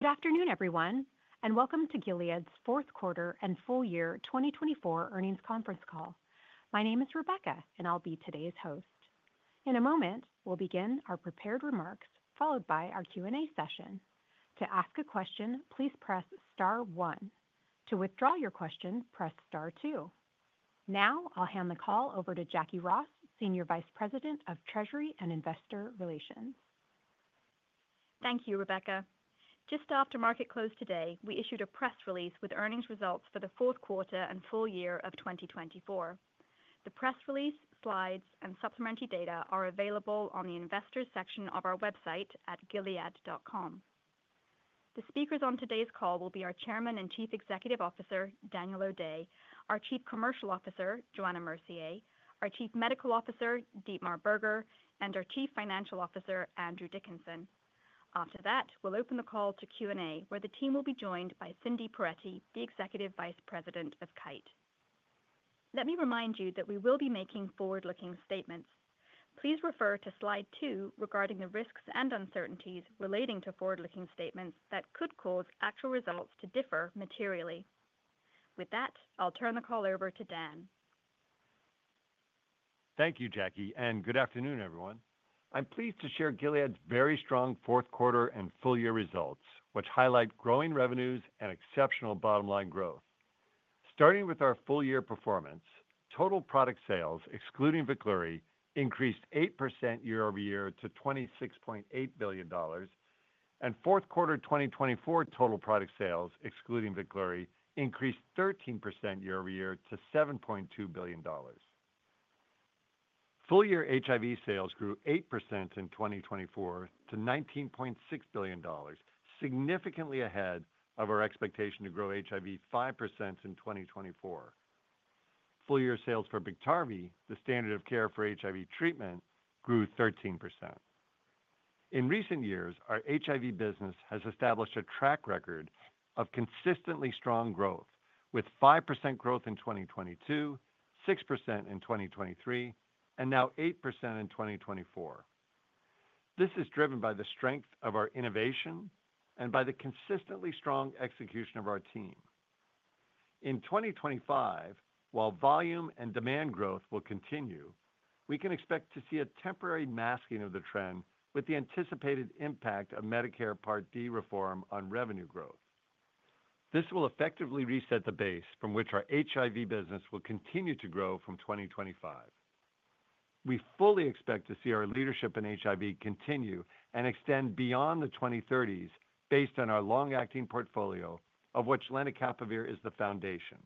Good afternoon, everyone, and welcome to Gilead's fourth quarter and full year 2024 earnings conference call. My name is Rebecca, and I'll be today's host. In a moment, we'll begin our prepared remarks, followed by our Q&A session. To ask a question, please press star one. To withdraw your question, press star two. Now, I'll hand the call over to Jacquie Ross, Senior Vice President of Treasury and Investor Relations. Thank you, Rebecca. Just after market close today, we issued a press release with earnings results for the fourth quarter and full year of 2024. The press release, slides, and supplementary data are available on the investors' section of our website at gilead.com. The speakers on today's call will be our Chairman and Chief Executive Officer, Daniel O'Day, our Chief Commercial Officer, Johanna Mercier, our Chief Medical Officer, Dietmar Berger, and our Chief Financial Officer, Andrew Dickinson. After that, we'll open the call to Q&A, where the team will be joined by Cindy Perettie, the Executive Vice President of Kite. Let me remind you that we will be making forward-looking statements. Please refer to slide two regarding the risks and uncertainties relating to forward-looking statements that could cause actual results to differ materially. With that, I'll turn the call over to Dan. Thank you, Jackie, and good afternoon, everyone. I'm pleased to share Gilead's very strong fourth quarter and full year results, which highlight growing revenues and exceptional bottom line growth. Starting with our full year performance, total product sales, excluding VEKLURY, increased 8% year-over-year to $26.8 billion, and fourth quarter 2024 total product sales, excluding VEKLURY, increased 13% year-over-year to $7.2 billion. Full year HIV sales grew 8% in 2024 to $19.6 billion, significantly ahead of our expectation to grow HIV 5% in 2024. Full year sales for Biktarvy, the standard of care for HIV treatment, grew 13%. In recent years, our HIV business has established a track record of consistently strong growth, with 5% growth in 2022, 6% in 2023, and now 8% in 2024. This is driven by the strength of our innovation and by the consistently strong execution of our team. In 2025, while volume and demand growth will continue, we can expect to see a temporary masking of the trend with the anticipated impact of Medicare Part D reform on revenue growth. This will effectively reset the base from which our HIV business will continue to grow from 2025. We fully expect to see our leadership in HIV continue and extend beyond the 2030s based on our long-acting portfolio, of which lenacapavir is the foundation.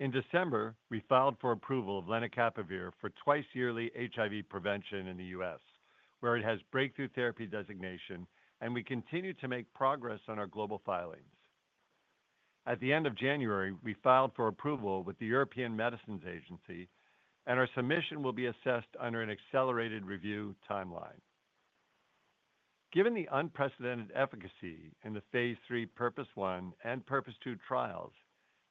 In December, we filed for approval of lenacapavir for twice-yearly HIV prevention in the U.S., where it has Breakthrough Therapy Designation, and we continue to make progress on our global filings. At the end of January, we filed for approval with the European Medicines Agency, and our submission will be assessed under an accelerated review timeline. Given the unprecedented efficacy in the phase III PURPOSE 1 and PURPOSE 2 trials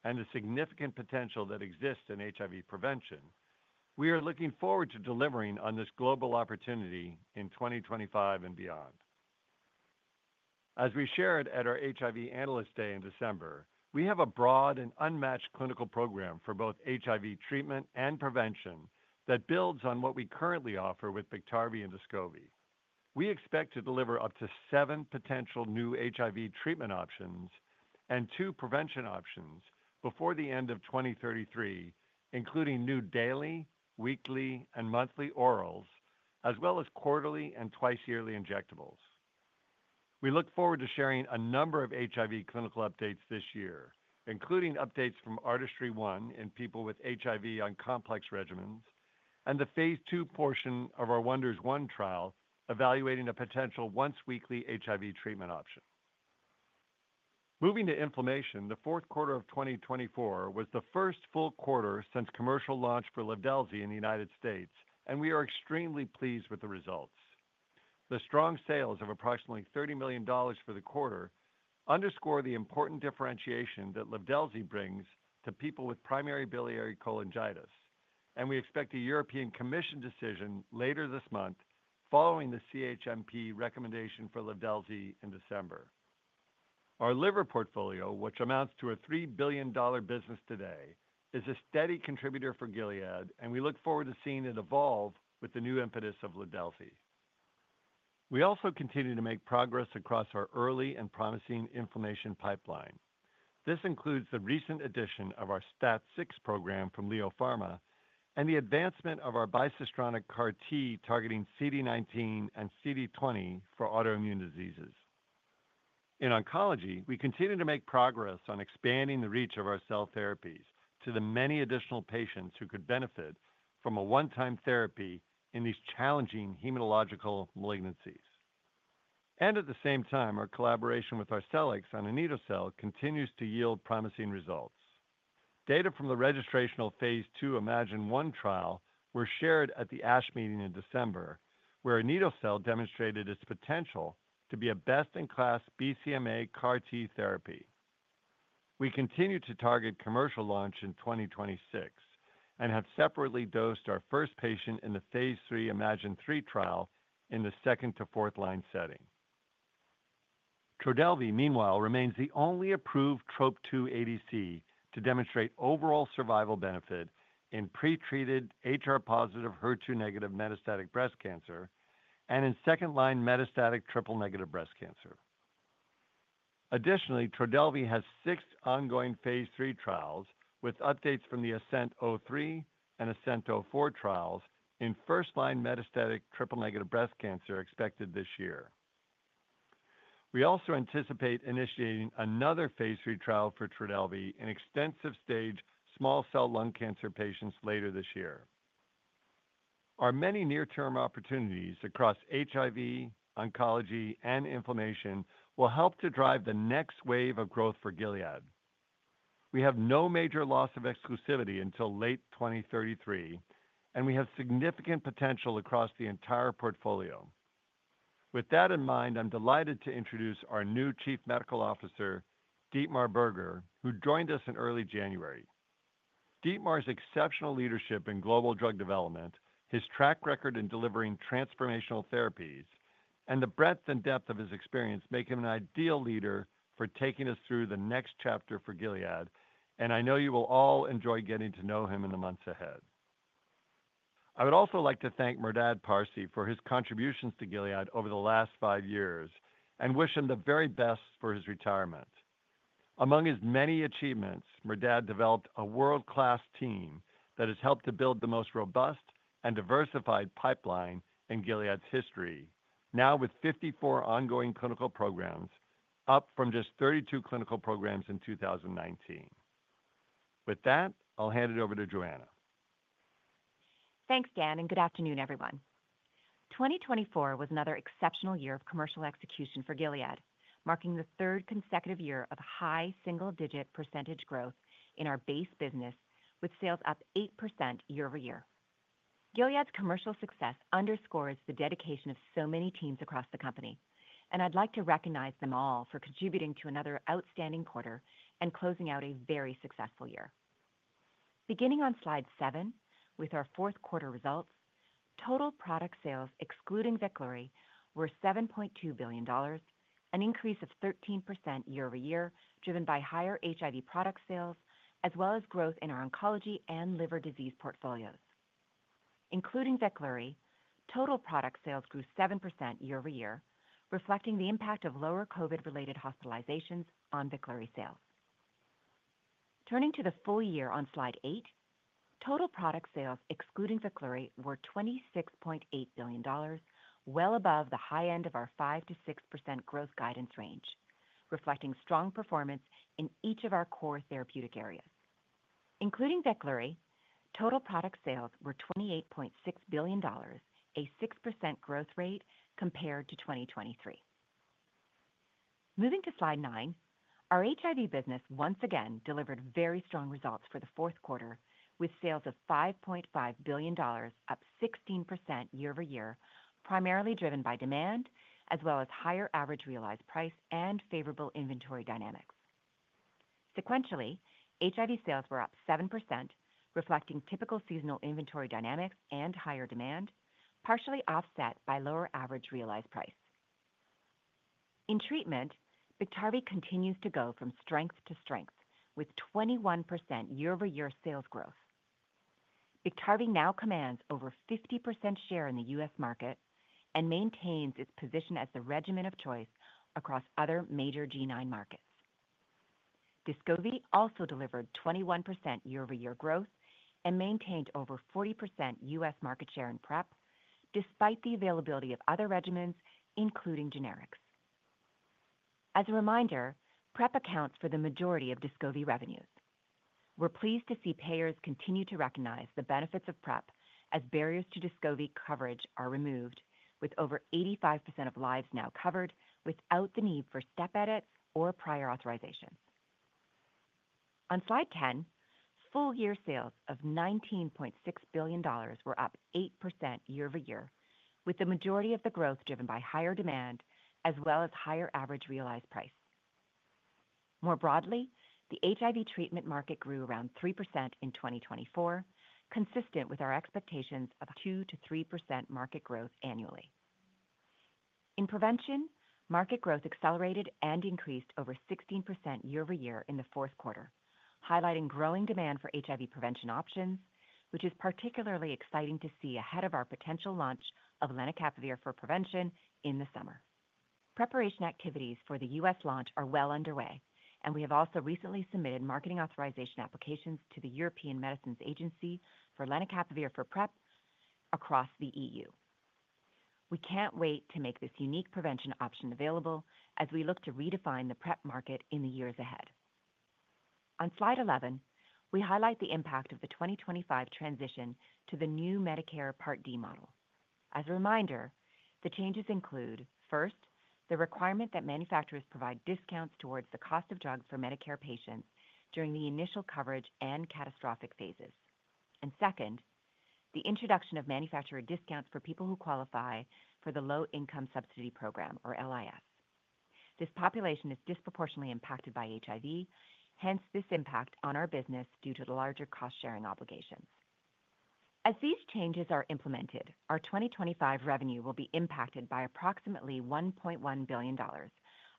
and the significant potential that exists in HIV prevention, we are looking forward to delivering on this global opportunity in 2025 and beyond. As we shared at our HIV Analyst Day in December, we have a broad and unmatched clinical program for both HIV treatment and prevention that builds on what we currently offer with Biktarvy and Descovy. We expect to deliver up to seven potential new HIV treatment options and two prevention options before the end of 2033, including new daily, weekly, and monthly orals, as well as quarterly and twice-yearly injectables. We look forward to sharing a number of HIV clinical updates this year, including updates from ARTISTRY-1 in people with HIV on complex regimens and the phase II portion of our WONDERS-1 trial evaluating a potential once-weekly HIV treatment option. Moving to inflammation, the fourth quarter of 2024 was the first full quarter since commercial launch for Livdelzi in the United States, and we are extremely pleased with the results. The strong sales of approximately $30 million for the quarter underscore the important differentiation that Livdelzi brings to people with primary biliary cholangitis, and we expect a European Commission decision later this month following the CHMP recommendation for Livdelzi in December. Our liver portfolio, which amounts to a $3 billion business today, is a steady contributor for Gilead, and we look forward to seeing it evolve with the new impetus of Livdelzi. We also continue to make progress across our early and promising inflammation pipeline. This includes the recent addition of our STAT6 program from LEO Pharma and the advancement of our bispecific CAR-T targeting CD19 and CD20 for autoimmune diseases. In oncology, we continue to make progress on expanding the reach of our cell therapies to the many additional patients who could benefit from a one-time therapy in these challenging hematological malignancies. At the same time, our collaboration with Arcellx on anito-cel continues to yield promising results. Data from the registrational phase II iMMagine-1 trial were shared at the ASH meeting in December, where anito-cel demonstrated its potential to be a best-in-class BCMA CAR-T therapy. We continue to target commercial launch in 2026 and have separately dosed our first patient in the phase III iMMagine-3 trial in the second to fourth line setting. Trodelvy, meanwhile, remains the only approved TROP2 ADC to demonstrate overall survival benefit in pretreated HR-positive, HER2- metastatic breast cancer and in second-line metastatic triple-negative breast cancer. Additionally, Trodelvy has six ongoing phase III trials with updates from the ASCENT-03 and ASCENT-04 trials in first-line metastatic triple-negative breast cancer expected this year. We also anticipate initiating another phase III trial for Trodelvy in extensive stage small cell lung cancer patients later this year. Our many near-term opportunities across HIV, oncology, and inflammation will help to drive the next wave of growth for Gilead. We have no major loss of exclusivity until late 2033, and we have significant potential across the entire portfolio. With that in mind, I'm delighted to introduce our new Chief Medical Officer, Dietmar Berger, who joined us in early January. Dietmar's exceptional leadership in global drug development, his track record in delivering transformational therapies, and the breadth and depth of his experience make him an ideal leader for taking us through the next chapter for Gilead, and I know you will all enjoy getting to know him in the months ahead. I would also like to thank Merdad Parsey for his contributions to Gilead over the last five years and wish him the very best for his retirement. Among his many achievements, Merdad developed a world-class team that has helped to build the most robust and diversified pipeline in Gilead's history, now with 54 ongoing clinical programs, up from just 32 clinical programs in 2019. With that, I'll hand it over to Johanna. Thanks, Dan, and good afternoon, everyone. 2024 was another exceptional year of commercial execution for Gilead, marking the third consecutive year of high single-digit percentage growth in our base business, with sales up 8% year-over-year. Gilead's commercial success underscores the dedication of so many teams across the company, and I'd like to recognize them all for contributing to another outstanding quarter and closing out a very successful year. Beginning on slide seven with our fourth quarter results, total product sales, excluding VEKLURY, were $7.2 billion, an increase of 13% year-over-year driven by higher HIV product sales, as well as growth in our oncology and liver disease portfolios. Including VEKLURY, total product sales grew 7% year-over-year, reflecting the impact of lower COVID-related hospitalizations on VEKLURY sales. Turning to the full year on slide eight, total product sales, excluding VEKLURY, were $26.8 billion, well above the high end of our 5%-6% growth guidance range, reflecting strong performance in each of our core therapeutic areas. Including VEKLURY, total product sales were $28.6 billion, a 6% growth rate compared to 2023. Moving to slide nine, our HIV business once again delivered very strong results for the fourth quarter, with sales of $5.5 billion, up 16% year-over-year, primarily driven by demand, as well as higher average realized price and favorable inventory dynamics. Sequentially, HIV sales were up 7%, reflecting typical seasonal inventory dynamics and higher demand, partially offset by lower average realized price. In treatment, Biktarvy continues to go from strength to strength, with 21% year-over-year sales growth. Biktarvy now commands over 50% share in the U.S. market and maintains its position as the regimen of choice across other major G9 markets. Descovy also delivered 21% year-over-year growth and maintained over 40% U.S. market share in PrEP, despite the availability of other regimens, including generics. As a reminder, PrEP accounts for the majority of Descovy revenues. We're pleased to see payers continue to recognize the benefits of PrEP as barriers to Descovy coverage are removed, with over 85% of lives now covered without the need for step edits or prior authorization. On slide 10, full year sales of $19.6 billion were up 8% year-over-year, with the majority of the growth driven by higher demand as well as higher average realized price. More broadly, the HIV treatment market grew around 3% in 2024, consistent with our expectations of 2%-3% market growth annually. In prevention, market growth accelerated and increased over 16% year-over-year in the fourth quarter, highlighting growing demand for HIV prevention options, which is particularly exciting to see ahead of our potential launch of lenacapavir for prevention in the summer. Preparation activities for the U.S. launch are well underway, and we have also recently submitted marketing authorization applications to the European Medicines Agency for lenacapavir for PrEP across the EU. We can't wait to make this unique prevention option available as we look to redefine the PrEP market in the years ahead. On slide 11, we highlight the impact of the 2025 transition to the new Medicare Part D model. As a reminder, the changes include, first, the requirement that manufacturers provide discounts towards the cost of drugs for Medicare patients during the initial coverage and catastrophic phases. Second, the introduction of manufacturer discounts for people who qualify for the Low-Income Subsidy Program, or LIS. This population is disproportionately impacted by HIV. Hence, this impact on our business due to the larger cost-sharing obligations. As these changes are implemented, our 2025 revenue will be impacted by approximately $1.1 billion,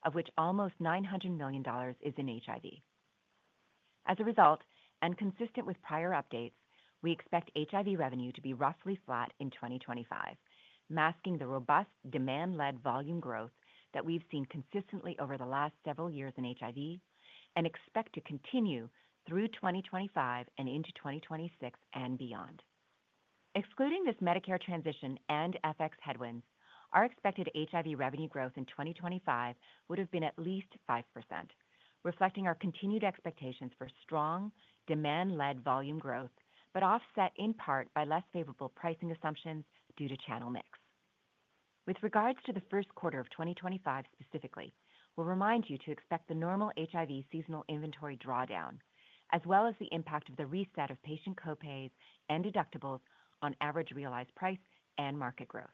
of which almost $900 million is in HIV. As a result, and consistent with prior updates, we expect HIV revenue to be roughly flat in 2025, masking the robust demand-led volume growth that we've seen consistently over the last several years in HIV and expect to continue through 2025 and into 2026 and beyond. Excluding this Medicare transition and FX headwinds, our expected HIV revenue growth in 2025 would have been at least 5%, reflecting our continued expectations for strong demand-led volume growth, but offset in part by less favorable pricing assumptions due to channel mix. With regards to the first quarter of 2025 specifically, we'll remind you to expect the normal HIV seasonal inventory drawdown, as well as the impact of the reset of patient copays and deductibles on average realized price and market growth.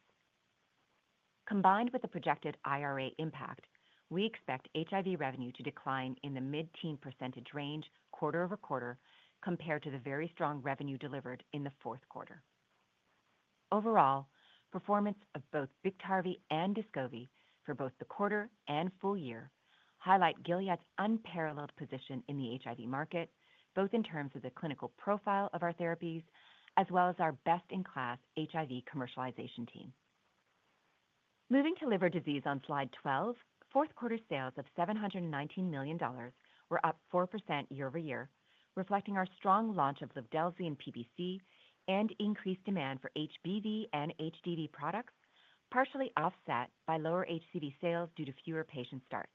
Combined with the projected IRA impact, we expect HIV revenue to decline in the mid-teen percentage range quarter over quarter compared to the very strong revenue delivered in the fourth quarter. Overall, performance of both Biktarvy and Descovy for both the quarter and full year highlight Gilead's unparalleled position in the HIV market, both in terms of the clinical profile of our therapies, as well as our best-in-class HIV commercialization team. Moving to liver disease on slide 12, fourth quarter sales of $719 million were up 4% year-over-year, reflecting our strong launch of Livdelzi and PBC and increased demand for HBV and HDV products, partially offset by lower HCV sales due to fewer patient starts.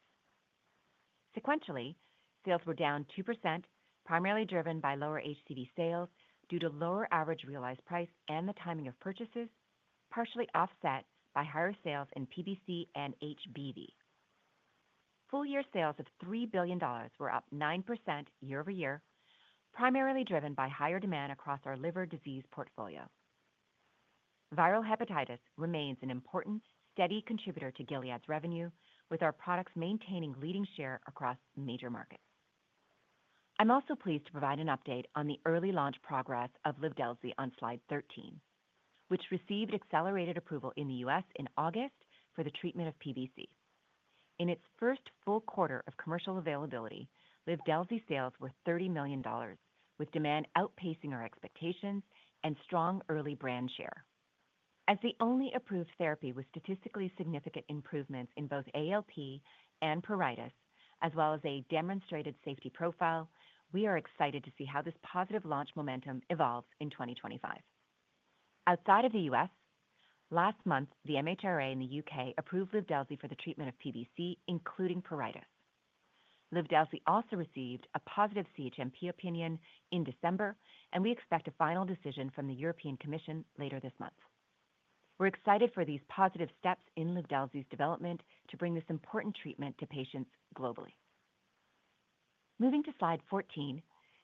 Sequentially, sales were down 2%, primarily driven by lower HCV sales due to lower average realized price and the timing of purchases, partially offset by higher sales in PBC and HBV. Full year sales of $3 billion were up 9% year-over-year, primarily driven by higher demand across our liver disease portfolio. Viral hepatitis remains an important, steady contributor to Gilead's revenue, with our products maintaining leading share across major markets. I'm also pleased to provide an update on the early launch progress of Livdelzi on slide 13, which received accelerated approval in the U.S. in August for the treatment of PBC. In its first full quarter of commercial availability, Livdelzi sales were $30 million, with demand outpacing our expectations and strong early brand share. As the only approved therapy with statistically significant improvements in both ALP and pruritus, as well as a demonstrated safety profile, we are excited to see how this positive launch momentum evolves in 2025. Outside of the U.S., last month, the MHRA in the U.K. approved Livdelzi for the treatment of PBC, including pruritus. Livdelzi also received a positive CHMP opinion in December, and we expect a final decision from the European Commission later this month. We're excited for these positive steps in Livdelzi's development to bring this important treatment to patients globally. Moving to slide 14,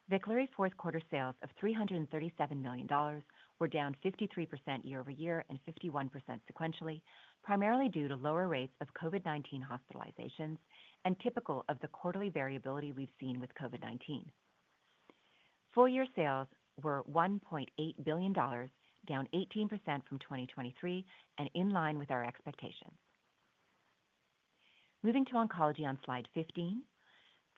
VEKLURY's fourth quarter sales of $337 million were down 53% year-over-year and 51% sequentially, primarily due to lower rates of COVID-19 hospitalizations and typical of the quarterly variability we've seen with COVID-19. Full year sales were $1.8 billion, down 18% from 2023, and in line with our expectations. Moving to oncology on slide 15,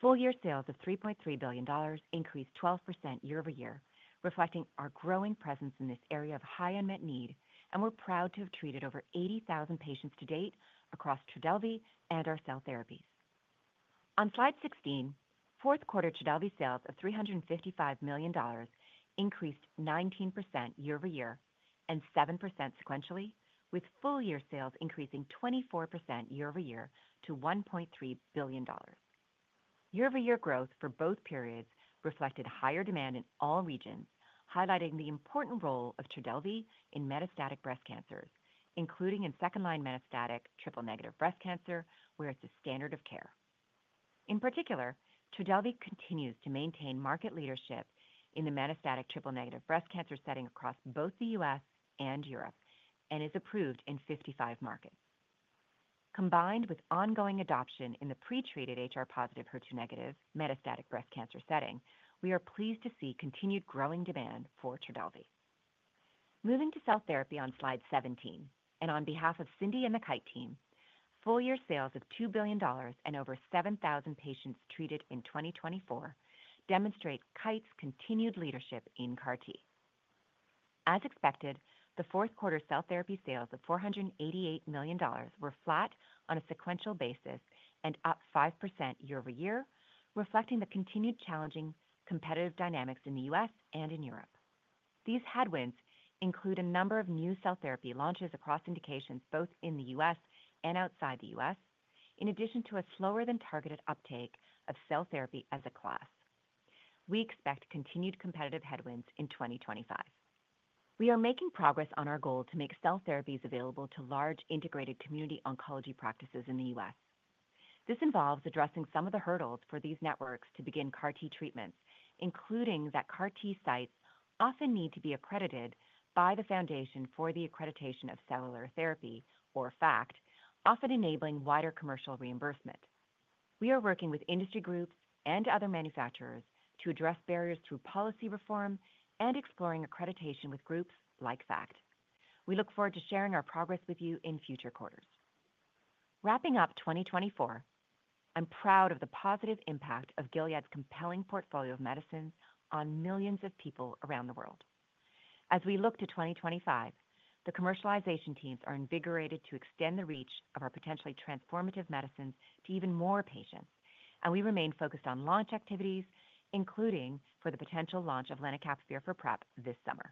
full year sales of $3.3 billion increased 12% year-over-year, reflecting our growing presence in this area of high unmet need, and we're proud to have treated over 80,000 patients to date across Trodelvy and our cell therapies. On slide 16, fourth quarter Trodelvy sales of $355 million increased 19% year-over-year and 7% sequentially, with full year sales increasing 24% year-over-year to $1.3 billion. Year-over-year growth for both periods reflected higher demand in all regions, highlighting the important role of Trodelvy in metastatic breast cancers, including in second-line metastatic triple-negative breast cancer, where it's a standard of care. In particular, Trodelvy continues to maintain market leadership in the metastatic triple-negative breast cancer setting across both the U.S. and Europe and is approved in 55 markets. Combined with ongoing adoption in the pretreated HR-positive HER2- metastatic breast cancer setting, we are pleased to see continued growing demand for Trodelvy. Moving to cell therapy on slide 17, and on behalf of Cindy and the Kite team, full year sales of $2 billion and over 7,000 patients treated in 2024 demonstrate Kite's continued leadership in CAR-T. As expected, the fourth quarter cell therapy sales of $488 million were flat on a sequential basis and up 5% year-over-year, reflecting the continued challenging competitive dynamics in the U.S. and in Europe. These headwinds include a number of new cell therapy launches across indications both in the U.S. and outside the U.S., in addition to a slower-than-targeted uptake of cell therapy as a class. We expect continued competitive headwinds in 2025. We are making progress on our goal to make cell therapies available to large integrated community oncology practices in the U.S. This involves addressing some of the hurdles for these networks to begin CAR-T treatments, including that CAR-T sites often need to be accredited by the Foundation for the Accreditation of Cellular Therapy, or FACT, often enabling wider commercial reimbursement. We are working with industry groups and other manufacturers to address barriers through policy reform and exploring accreditation with groups like FACT. We look forward to sharing our progress with you in future quarters. Wrapping up 2024, I'm proud of the positive impact of Gilead's compelling portfolio of medicines on millions of people around the world. As we look to 2025, the commercialization teams are invigorated to extend the reach of our potentially transformative medicines to even more patients, and we remain focused on launch activities, including for the potential launch of lenacapavir for PrEP this summer,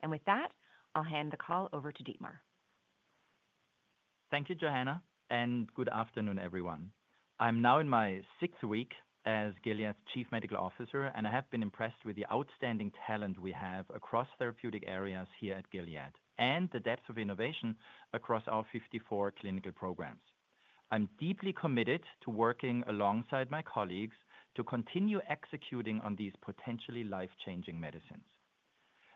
and with that, I'll hand the call over to Dietmar. Thank you, Johanna, and good afternoon, everyone. I'm now in my sixth week as Gilead's Chief Medical Officer, and I have been impressed with the outstanding talent we have across therapeutic areas here at Gilead and the depth of innovation across our 54 clinical programs. I'm deeply committed to working alongside my colleagues to continue executing on these potentially life-changing medicines.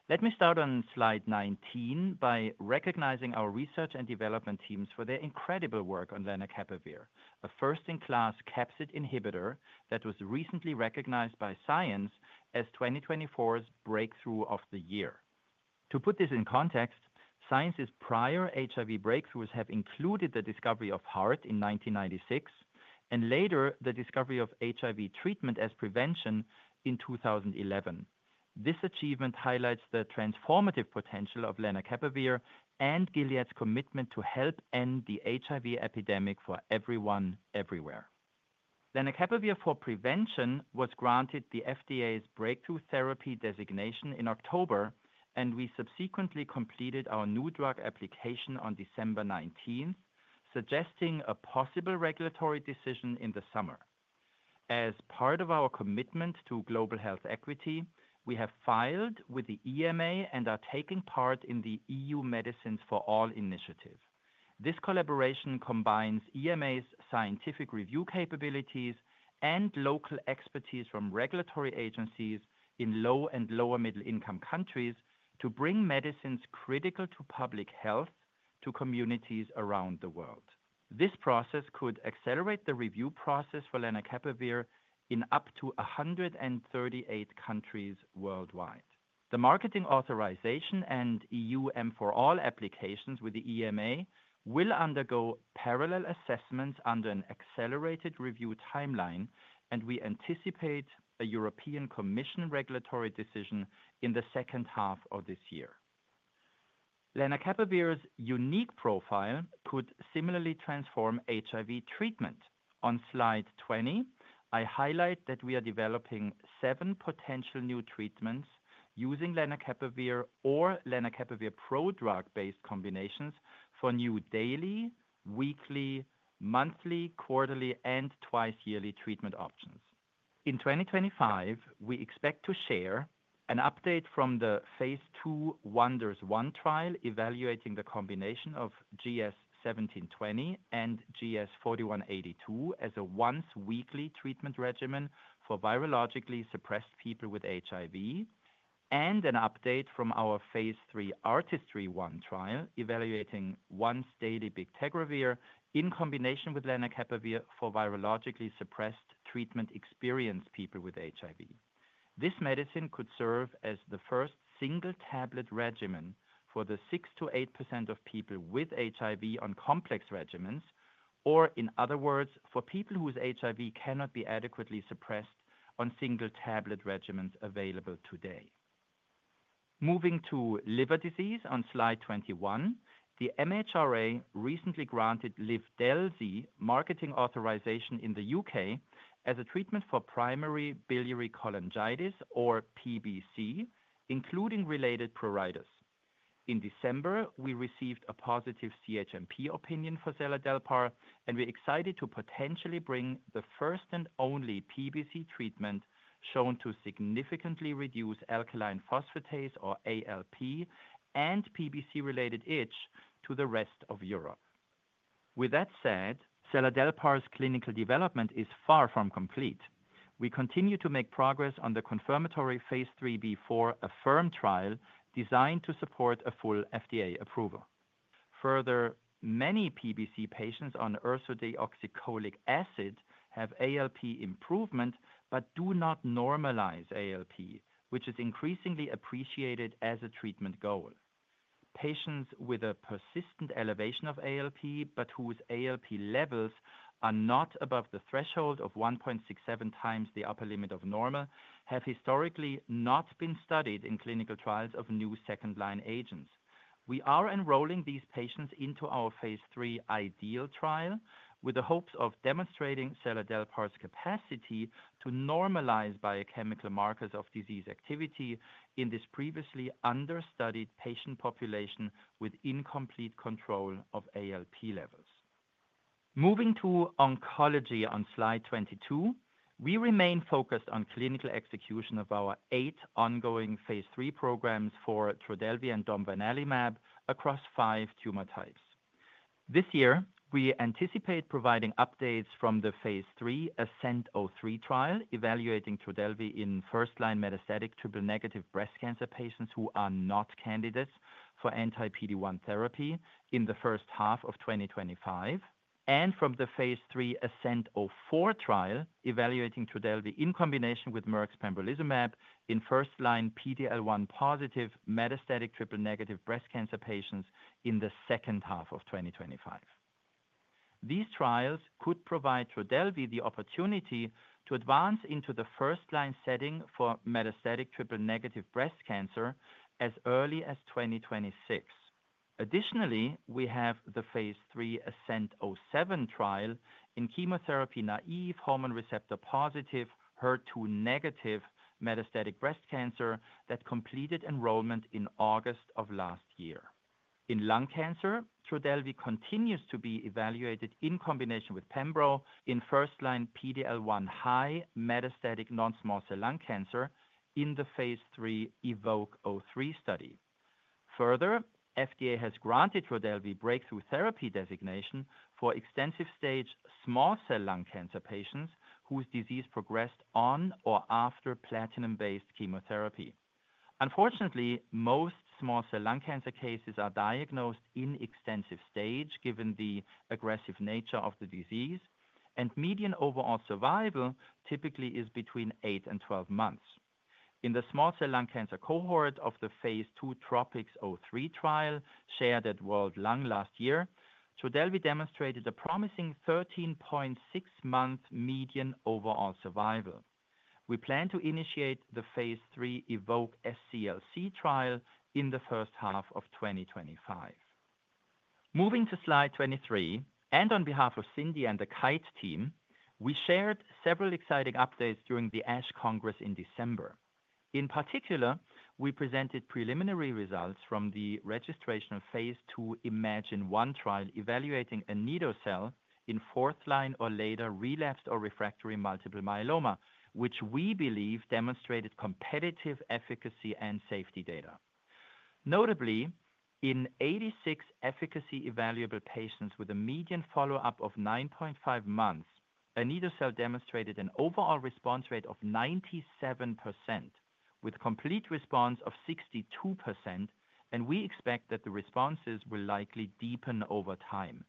Let me start on slide 19 by recognizing our research and development teams for their incredible work on Lenacapavir, a first-in-class capsid inhibitor that was recently recognized by Science as 2024's breakthrough of the year. To put this in context, Science's prior HIV breakthroughs have included the discovery of HAART in 1996 and later the discovery of HIV treatment as prevention in 2011. This achievement highlights the transformative potential of Lenacapavir and Gilead's commitment to help end the HIV epidemic for everyone, everywhere. Lenacapavir for prevention was granted the FDA's Breakthrough Therapy designation in October, and we subsequently completed our new drug application on December 19, suggesting a possible regulatory decision in the summer. As part of our commitment to global health equity, we have filed with the EMA and are taking part in the EU Medicines for All initiative. This collaboration combines EMA's scientific review capabilities and local expertise from regulatory agencies in low and lower-middle-income countries to bring medicines critical to public health to communities around the world. This process could accelerate the review process for Lenacapavir in up to 138 countries worldwide. The marketing authorization and EU M4 All applications with the EMA will undergo parallel assessments under an accelerated review timeline, and we anticipate a European Commission regulatory decision in the second half of this year. Lenacapavir's unique profile could similarly transform HIV treatment. On slide 20, I highlight that we are developing seven potential new treatments using lenacapavir or lenacapavir prodrug-based combinations for new daily, weekly, monthly, quarterly, and twice-yearly treatment options. In 2025, we expect to share an update from the phase II WONDERS-1 trial evaluating the combination of GS-1720 and GS-4182 as a once-weekly treatment regimen for virologically suppressed people with HIV, and an update from our phase III ARTISTRY-1 trial evaluating once-daily bictegravir in combination with lenacapavir for virologically suppressed treatment-experienced people with HIV. This medicine could serve as the first single-tablet regimen for the 6% to 8% of people with HIV on complex regimens, or in other words, for people whose HIV cannot be adequately suppressed on single-tablet regimens available today. Moving to liver disease on slide 21, the MHRA recently granted Livdelzi marketing authorization in the U.K. as a treatment for primary biliary cholangitis, or PBC, including related pruritus. In December, we received a positive CHMP opinion for seladelpar, and we're excited to potentially bring the first and only PBC treatment shown to significantly reduce alkaline phosphatase, or ALP, and PBC-related itch to the rest of Europe. With that said, seladelpar's clinical development is far from complete. We continue to make progress on the confirmatory phase III, the Affirm trial designed to support a full FDA approval. Further, many PBC patients on ursodeoxycholic acid have ALP improvement but do not normalize ALP, which is increasingly appreciated as a treatment goal. Patients with a persistent elevation of ALP but whose ALP levels are not above the threshold of 1.67 times the upper limit of normal have historically not been studied in clinical trials of new second-line agents. We are enrolling these patients into our phase III IDEAL trial with the hopes of demonstrating seladelpar's capacity to normalize biochemical markers of disease activity in this previously understudied patient population with incomplete control of ALP levels. Moving to oncology on slide 22, we remain focused on clinical execution of our eight ongoing phase III programs for Trodelvy and domvanalimab across five tumor types. This year, we anticipate providing updates from the phase III ASCENT-03 trial evaluating Trodelvy in first-line metastatic triple-negative breast cancer patients who are not candidates for anti-PD-1 therapy in the first half of 2025, and from the phase III ASCENT-04 trial evaluating Trodelvy in combination with Merck's pembrolizumab in first-line PD-L1 positive metastatic triple-negative breast cancer patients in the second half of 2025. These trials could provide Trodelvy the opportunity to advance into the first-line setting for metastatic triple-negative breast cancer as early as 2026. Additionally, we have the phase III ASCENT-07 trial in chemotherapy naïve hormone receptor positive HER2- metastatic breast cancer that completed enrollment in August of last year. In lung cancer, Trodelvy continues to be evaluated in combination with Pembro in first-line PD-L1 high metastatic non-small cell lung cancer in the phase III EVOKE-03 study. Further, FDA has granted Trodelvy breakthrough therapy designation for extensive stage small cell lung cancer patients whose disease progressed on or after platinum-based chemotherapy. Unfortunately, most small cell lung cancer cases are diagnosed in extensive stage given the aggressive nature of the disease, and median overall survival typically is between eight and 12 months. In the small cell lung cancer cohort of the phase II TROPiCS-03 trial shared at World Lung last year, Trodelvy demonstrated a promising 13.6-month median overall survival. We plan to initiate the phase III EVOKE-SCLC trial in the first half of 2025. Moving to slide 23, and on behalf of Cindy and the Kite team, we shared several exciting updates during the ASH Congress in December. In particular, we presented preliminary results from the registrational phase II iMMagine-1 trial evaluating anito-cel in fourth-line or later relapsed or refractory multiple myeloma, which we believe demonstrated competitive efficacy and safety data. Notably, in 86 efficacy evaluable patients with a median follow-up of 9.5 months, anito-cel demonstrated an overall response rate of 97%, with complete response of 62%, and we expect that the responses will likely deepen over time.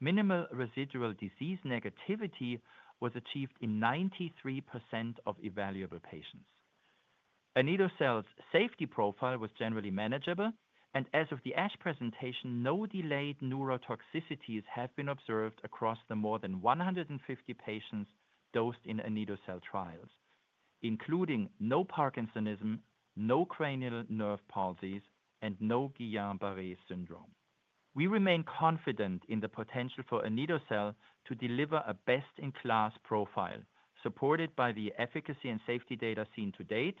Minimal residual disease negativity was achieved in 93% of evaluable patients. Anito-cel's safety profile was generally manageable, and as of the ASH presentation, no delayed neurotoxicities have been observed across the more than 150 patients dosed in anito-cel trials, including no Parkinsonism, no cranial nerve palsies, and no Guillain-Barré syndrome. We remain confident in the potential for anito-cel to deliver a best-in-class profile supported by the efficacy and safety data seen to date,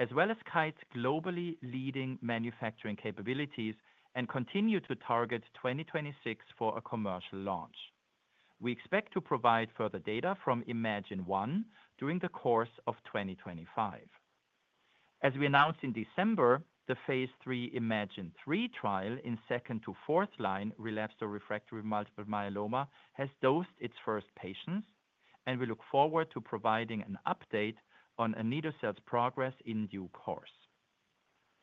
as well as Kite's globally leading manufacturing capabilities, and continue to target 2026 for a commercial launch. We expect to provide further data from iMMagine-1 during the course of 2025. As we announced in December, the phase III iMMagine-1 trial in second- to fourth-line relapsed or refractory multiple myeloma has dosed its first patients, and we look forward to providing an update on anito-cel's progress in due course.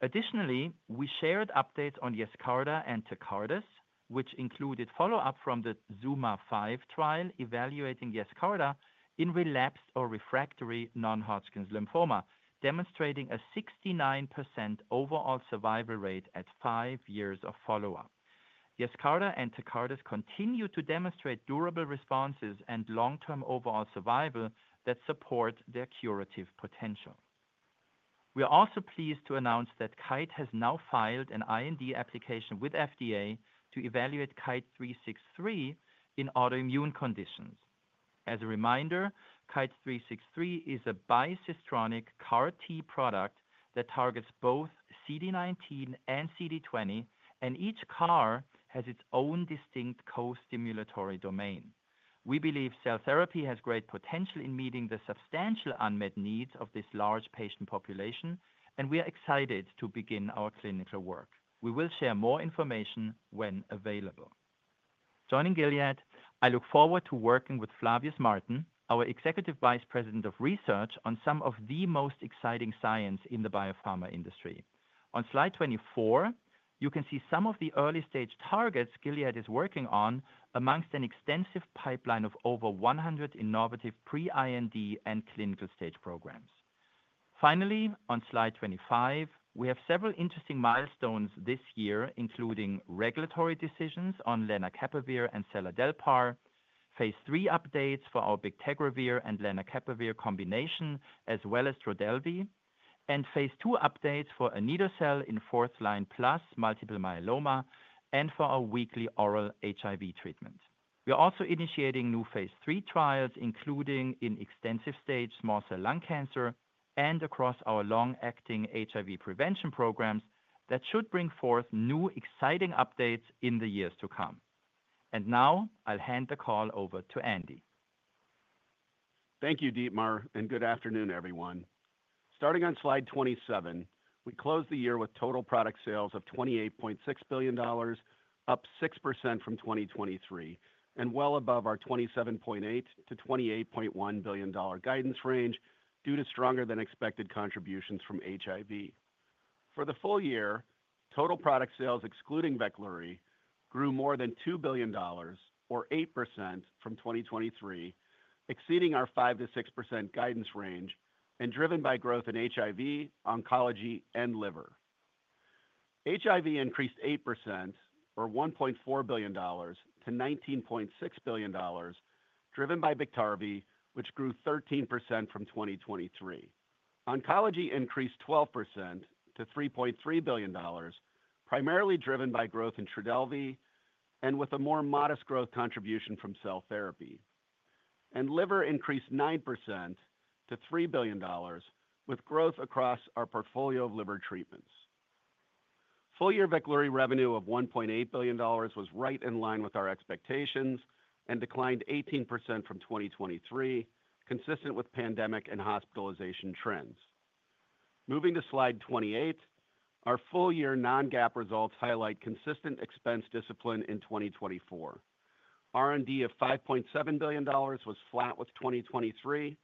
Additionally, we shared updates on Yescarta and Tecartus, which included follow-up from the ZUMA-5 trial evaluating Yescarta in relapsed or refractory non-Hodgkin lymphoma, demonstrating a 69% overall survival rate at five years of follow-up. Yescarta and Tecartus continue to demonstrate durable responses and long-term overall survival that support their curative potential. We are also pleased to announce that Kite has now filed an IND application with FDA to evaluate KITE-363 in autoimmune conditions. As a reminder, KITE-363 is a bicistronic CAR-T product that targets both CD19 and CD20, and each CAR has its own distinct co-stimulatory domain. We believe cell therapy has great potential in meeting the substantial unmet needs of this large patient population, and we are excited to begin our clinical work. We will share more information when available. Joining Gilead, I look forward to working with Flavius Martin, our Executive Vice President of Research, on some of the most exciting science in the biopharma industry. On slide 24, you can see some of the early-stage targets Gilead is working on among an extensive pipeline of over 100 innovative pre-IND and clinical stage programs. Finally, on slide 25, we have several interesting milestones this year, including regulatory decisions on lenacapavir and seladelpar, phase III updates for our bictegravir and lenacapavir combination, as well as Trodelvy, and phase II updates for anito-cel in fourth-line plus multiple myeloma and for our weekly oral HIV treatment. We are also initiating new phase III trials, including in extensive stage small cell lung cancer and across our long-acting HIV prevention programs that should bring forth new exciting updates in the years to come. And now, I'll hand the call over to Andy. Thank you, Dietmar, and good afternoon, everyone. Starting on slide 27, we closed the year with total product sales of $28.6 billion, up 6% from 2023, and well above our $27.8 billion-$28.1 billion guidance range due to stronger-than-expected contributions from HIV. For the full year, total product sales, excluding VEKLURY, grew more than $2 billion, or 8% from 2023, exceeding our 5%-6% guidance range and driven by growth in HIV, oncology, and liver. HIV increased 8%, or $1.4 billion, to $19.6 billion, driven by Biktarvy, which grew 13% from 2023. Oncology increased 12% to $3.3 billion, primarily driven by growth in Trodelvy, and with a more modest growth contribution from cell therapy, and liver increased 9% to $3 billion, with growth across our portfolio of liver treatments. Full-year VEKLURY revenue of $1.8 billion was right in line with our expectations and declined 18% from 2023, consistent with pandemic and hospitalization trends. Moving to slide 28, our full-year non-GAAP results highlight consistent expense discipline in 2024. R&D of $5.7 billion was flat with 2023.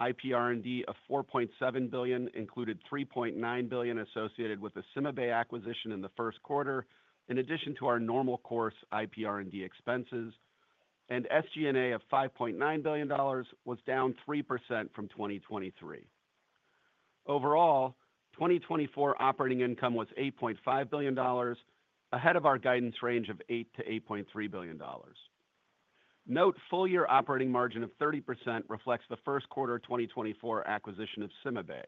IPR&D of $4.7 billion included $3.9 billion associated with the CymaBay acquisition in the first quarter, in addition to our normal-course IPR&D expenses, and SG&A of $5.9 billion was down 3% from 2023. Overall, 2024 operating income was $8.5 billion, ahead of our guidance range of $8-$8.3 billion. Note, full-year operating margin of 30% reflects the first quarter of 2024 acquisition of CymaBay.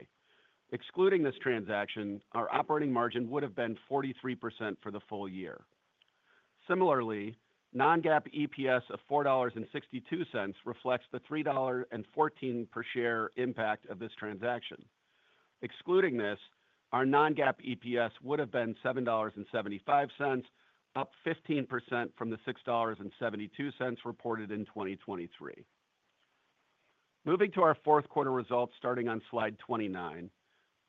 Excluding this transaction, our operating margin would have been 43% for the full year. Similarly, non-GAAP EPS of $4.62 reflects the $3.14 per share impact of this transaction. Excluding this, our non-GAAP EPS would have been $7.75, up 15% from the $6.72 reported in 2023. Moving to our fourth quarter results starting on slide 29,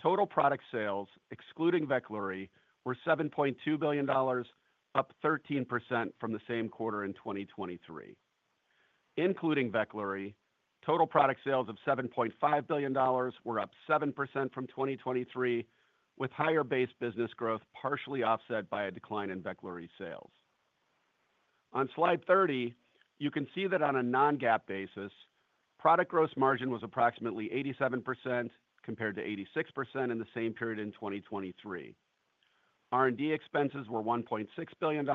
total product sales, excluding VEKLURY, were $7.2 billion, up 13% from the same quarter in 2023. Including VEKLURY, total product sales of $7.5 billion were up 7% from 2023, with higher base business growth partially offset by a decline in VEKLURY sales. On slide 30, you can see that on a non-GAAP basis, product gross margin was approximately 87% compared to 86% in the same period in 2023. R&D expenses were $1.6 billion,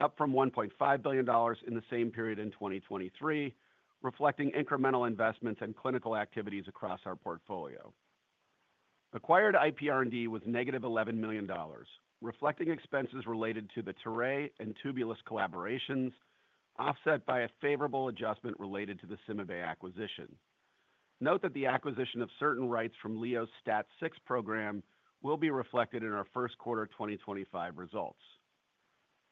up from $1.5 billion in the same period in 2023, reflecting incremental investments and clinical activities across our portfolio. Acquired IPR&D was -$11 million, reflecting expenses related to the LEO and Tubulis collaborations, offset by a favorable adjustment related to the CymaBay acquisition. Note that the acquisition of certain rights from LEO's STAT6 program will be reflected in our first quarter 2025 results.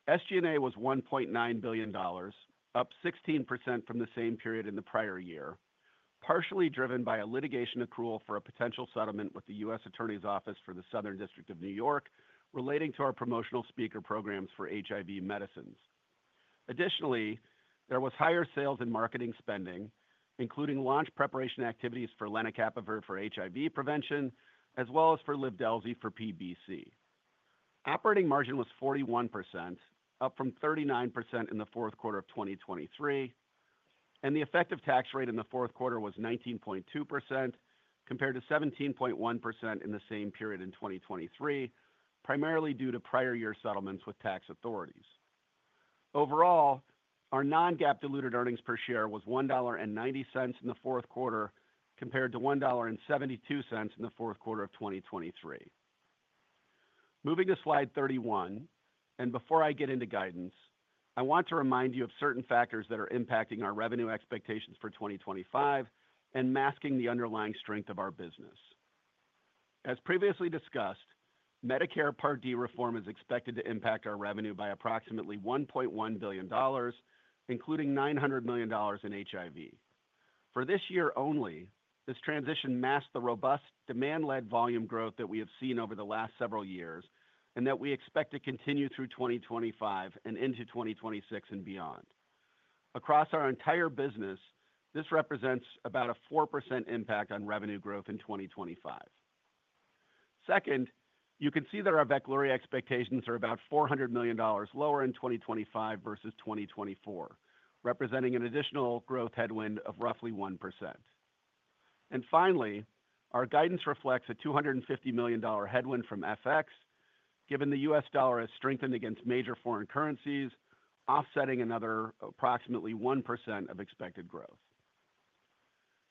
SG&A was $1.9 billion, up 16% from the same period in the prior year, partially driven by a litigation accrual for a potential settlement with the U.S. Attorney's Office for the Southern District of New York relating to our promotional speaker programs for HIV medicines. Additionally, there was higher sales and marketing spending, including launch preparation activities for Lenacapavir for HIV prevention, as well as for Livdelzi for PBC. Operating margin was 41%, up from 39% in the fourth quarter of 2023, and the effective tax rate in the fourth quarter was 19.2% compared to 17.1% in the same period in 2023, primarily due to prior year settlements with tax authorities. Overall, our non-GAAP diluted earnings per share was $1.90 in the fourth quarter compared to $1.72 in the fourth quarter of 2023. Moving to slide 31, and before I get into guidance, I want to remind you of certain factors that are impacting our revenue expectations for 2025 and masking the underlying strength of our business. As previously discussed, Medicare Part D reform is expected to impact our revenue by approximately $1.1 billion, including $900 million in HIV. For this year only, this transition masked the robust demand-led volume growth that we have seen over the last several years and that we expect to continue through 2025 and into 2026 and beyond. Across our entire business, this represents about a 4% impact on revenue growth in 2025. Second, you can see that our VEKLURY expectations are about $400 million lower in 2025 versus 2024, representing an additional growth headwind of roughly 1%. And finally, our guidance reflects a $250 million headwind from FX, given the US dollar has strengthened against major foreign currencies, offsetting another approximately 1% of expected growth.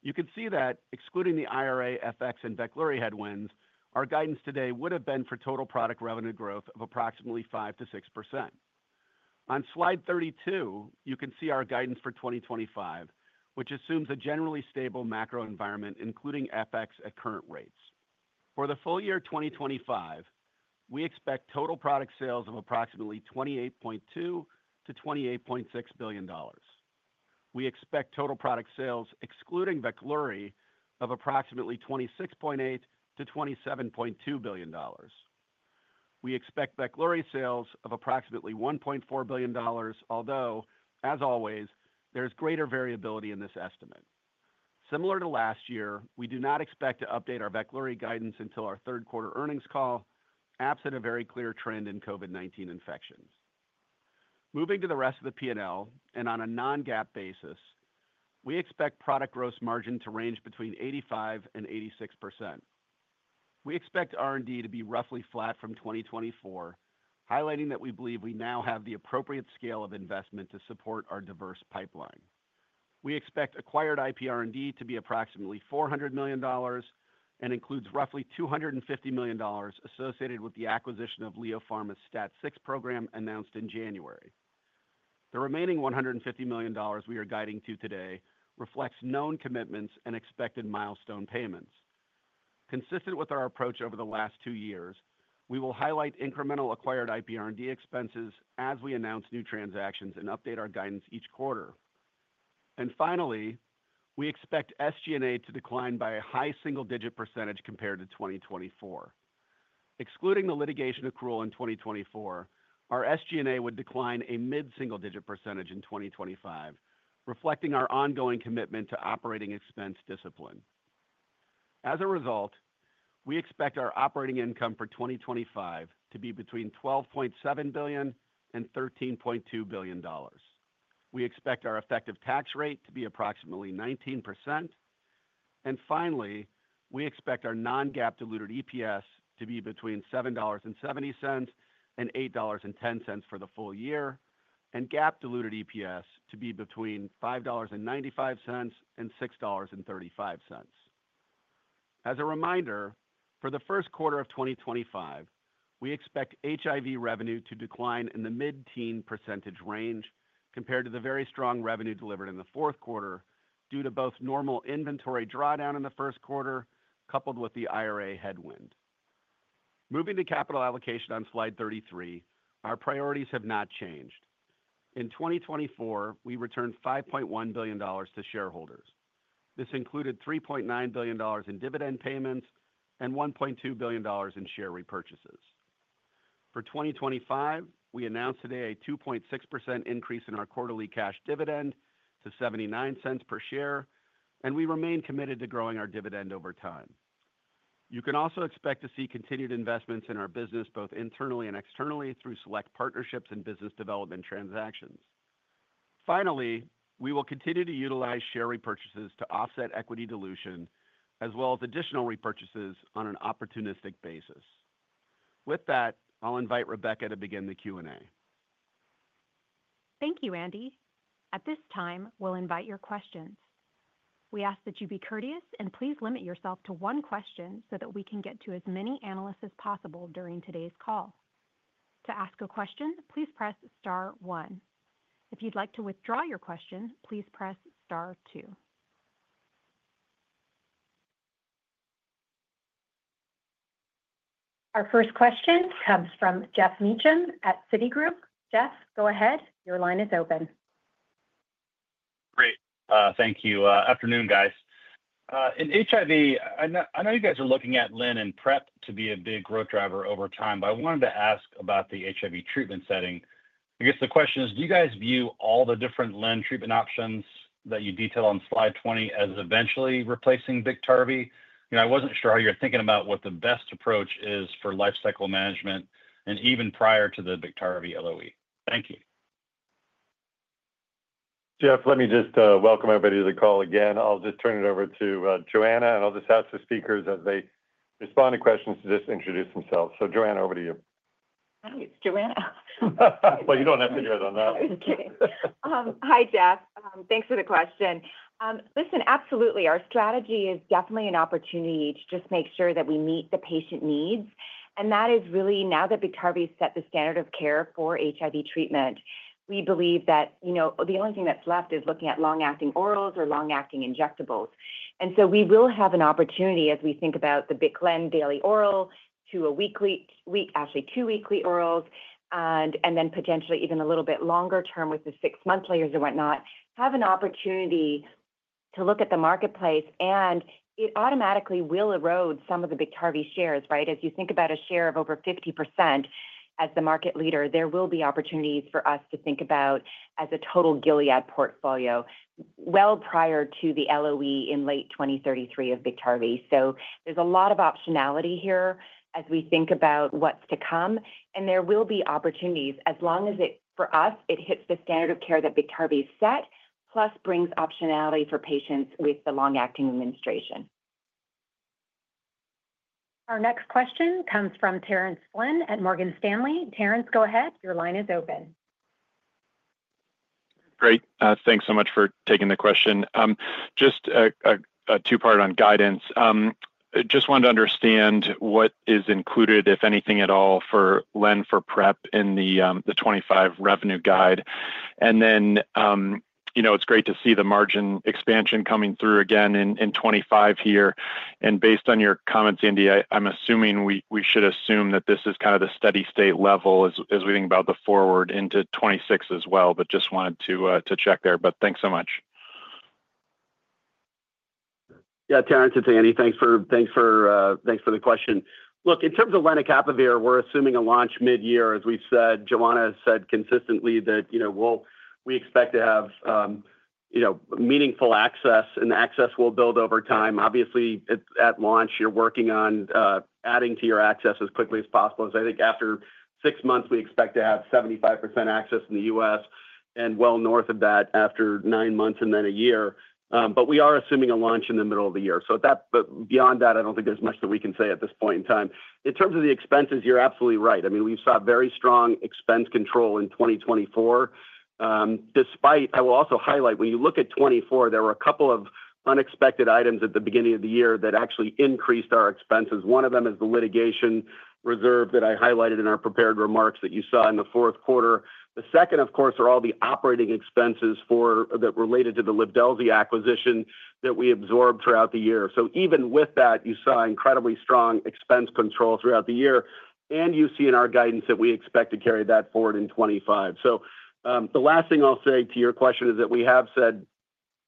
You can see that, excluding the IRA, FX, and VEKLURY headwinds, our guidance today would have been for total product revenue growth of approximately 5%-6%. On slide 32, you can see our guidance for 2025, which assumes a generally stable macro environment, including FX at current rates. For the full year 2025, we expect total product sales of approximately $28.2 billion-$28.6 billion. We expect total product sales, excluding VEKLURY, of approximately $26.8 billion-$27.2 billion. We expect VEKLURY sales of approximately $1.4 billion, although, as always, there is greater variability in this estimate. Similar to last year, we do not expect to update our VEKLURY guidance until our third quarter earnings call, absent a very clear trend in COVID-19 infections. Moving to the rest of the P&L and on a non-GAAP basis, we expect product gross margin to range between 85% and 86%. We expect R&D to be roughly flat from 2024, highlighting that we believe we now have the appropriate scale of investment to support our diverse pipeline. We expect acquired IPR&D to be approximately $400 million and includes roughly $250 million associated with the acquisition of Leo Pharma's STAT6 program announced in January. The remaining $150 million we are guiding to today reflects known commitments and expected milestone payments. Consistent with our approach over the last two years, we will highlight incremental acquired IPR&D expenses as we announce new transactions and update our guidance each quarter. And finally, we expect SG&A to decline by a high single-digit percentage compared to 2024. Excluding the litigation accrual in 2024, our SG&A would decline a mid-single-digit percentage in 2025, reflecting our ongoing commitment to operating expense discipline. As a result, we expect our operating income for 2025 to be between $12.7 billion and $13.2 billion. We expect our effective tax rate to be approximately 19%. And finally, we expect our non-GAAP diluted EPS to be between $7.70 and $8.10 for the full year, and GAAP diluted EPS to be between $5.95 and $6.35. As a reminder, for the first quarter of 2025, we expect HIV revenue to decline in the mid-teen percentage range compared to the very strong revenue delivered in the fourth quarter due to both normal inventory drawdown in the first quarter coupled with the IRA headwind. Moving to capital allocation on slide 33, our priorities have not changed. In 2024, we returned $5.1 billion to shareholders. This included $3.9 billion in dividend payments and $1.2 billion in share repurchases. For 2025, we announced today a 2.6% increase in our quarterly cash dividend to $0.79 per share, and we remain committed to growing our dividend over time. You can also expect to see continued investments in our business both internally and externally through select partnerships and business development transactions. Finally, we will continue to utilize share repurchases to offset equity dilution, as well as additional repurchases on an opportunistic basis. With that, I'll invite Rebecca to begin the Q&A. Thank you, Andy. At this time, we'll invite your questions. We ask that you be courteous and please limit yourself to one question so that we can get to as many analysts as possible during today's call. To ask a question, please press star one. If you'd like to withdraw your question, please press star two. Our first question comes from Geoff Meacham at Citigroup. Geoff, go ahead. Your line is open. Great. Thank you. Afternoon, guys. In HIV, I know you guys are looking at Len and PrEP to be a big growth driver over time, but I wanted to ask about the HIV treatment setting. I guess the question is, do you guys view all the different Len treatment options that you detail on slide 20 as eventually replacing Biktarvy? I wasn't sure how you're thinking about what the best approach is for lifecycle management and even prior to the Biktarvy LOE. Thank you. Geoff, let me just welcome everybody to the call again. I'll just turn it over to Johanna, and I'll just ask the speakers as they respond to questions to just introduce themselves. So, Johanna, over to you. Hi, it's Johanna. Well, you don't have to do it on that. Okay. Hi, Geoff. Thanks for the question. Listen, absolutely. Our strategy is definitely an opportunity to just make sure that we meet the patient needs. And that is really now that Biktarvy set the standard of care for HIV treatment, we believe that the only thing that's left is looking at long-acting orals or long-acting injectables. And so we will have an opportunity as we think about the Biktarvy daily oral to a weekly, actually two-weekly orals, and then potentially even a little bit longer term with the six-month layers and whatnot, have an opportunity to look at the marketplace, and it automatically will erode some of the Biktarvy shares, right? As you think about a share of over 50% as the market leader, there will be opportunities for us to think about as a total Gilead portfolio well prior to the LOE in late 2033 of Biktarvy. So there's a lot of optionality here as we think about what's to come, and there will be opportunities as long as it, for us, hits the standard of care that Biktarvy set, plus brings optionality for patients with the long-acting administration. Our next question comes from Terence Flynn at Morgan Stanley. Terence, go ahead. Your line is open. Great. Thanks so much for taking the question. Just a two-part on guidance. Just wanted to understand what is included, if anything at all, for LEN for PrEP in the 2025 revenue guide. And then it's great to see the margin expansion coming through again in 2025 here. Based on your comments, Andy, I'm assuming we should assume that this is kind of the steady state level as we think about the forward into 2026 as well, but just wanted to check there. But thanks so much. Yeah, Terence, it's Andy, thanks for the question. Look, in terms of lenacapavir, we're assuming a launch mid-year. As we've said, Johanna said consistently that we expect to have meaningful access, and access will build over time. Obviously, at launch, you're working on adding to your access as quickly as possible. I think after six months, we expect to have 75% access in the U.S. and well north of that after nine months and then a year. But we are assuming a launch in the middle of the year. So beyond that, I don't think there's much that we can say at this point in time. In terms of the expenses, you're absolutely right. I mean, we saw very strong expense control in 2024. I will also highlight, when you look at 2024, there were a couple of unexpected items at the beginning of the year that actually increased our expenses. One of them is the litigation reserve that I highlighted in our prepared remarks that you saw in the fourth quarter. The second, of course, are all the operating expenses that related to the Livdelzi acquisition that we absorbed throughout the year. So even with that, you saw incredibly strong expense control throughout the year, and you see in our guidance that we expect to carry that forward in 2025. So the last thing I'll say to your question is that we have said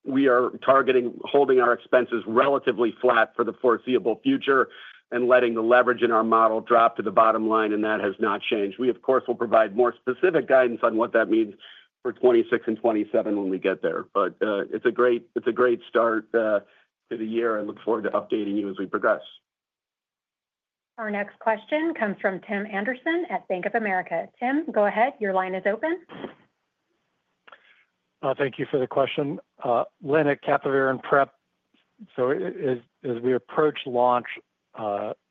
we are targeting holding our expenses relatively flat for the foreseeable future and letting the leverage in our model drop to the bottom line, and that has not changed. We, of course, will provide more specific guidance on what that means for 2026 and 2027 when we get there. But it's a great start to the year. I look forward to updating you as we progress. Our next question comes from Tim Anderson at Bank of America. Tim, go ahead. Your line is open. Thank you for the question. Lenacapavir and PrEP, so as we approach launch,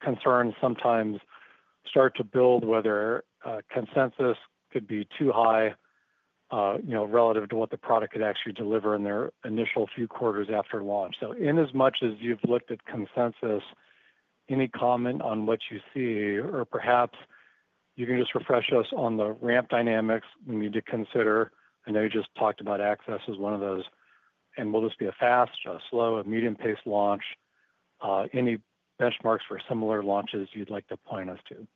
concerns sometimes start to build, whether consensus could be too high relative to what the product could actually deliver in their initial few quarters after launch. So in as much as you've looked at consensus, any comment on what you see, or perhaps you can just refresh us on the ramp dynamics we need to consider. I know you just talked about access as one of those. And will this be a fast, a slow, a medium-paced launch? Any benchmarks for similar launches you'd like to point us to?